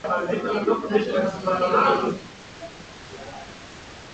Mtoto analilia nyama